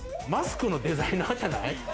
マスクのデザイナーじゃない？